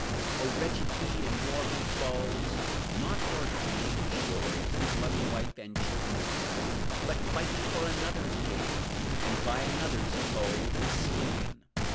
Oh, wretched he in war who falls, Not for his native shores, His loving wife and children dear, But, fighting for another's gain, And by another's foe is slain!